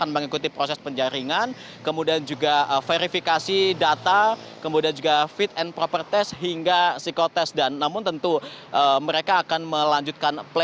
pdip jawa barat